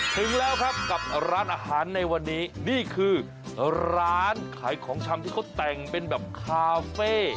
ถึงแล้วครับกับร้านอาหารในวันนี้นี่คือร้านขายของชำที่เขาแต่งเป็นแบบคาเฟ่